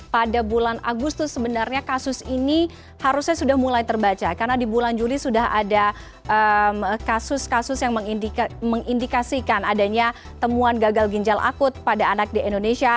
pada bulan agustus sebenarnya kasus ini harusnya sudah mulai terbaca karena di bulan juli sudah ada kasus kasus yang mengindikasikan adanya temuan gagal ginjal akut pada anak di indonesia